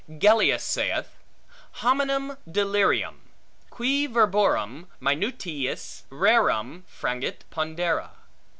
Gellius saith, Hominem delirum, qui verborum minutiis rerum frangit pondera.